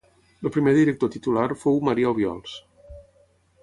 El primer director titular fou Marià Obiols.